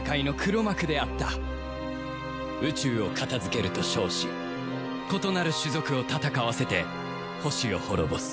宇宙を片付けると称し異なる種族を戦わせて星を滅ぼす